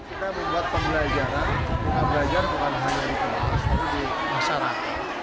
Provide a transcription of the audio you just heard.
kita membuat pembelajaran kita belajar bukan hanya di kelas tapi di masyarakat